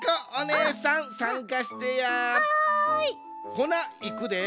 ほないくで。